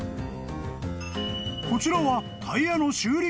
［こちらは］